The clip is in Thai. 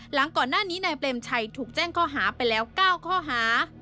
หลังก่อนหน้านี้นายเปรมชัยถูกแจ้งข้อหาไปแล้ว๙ข้อหา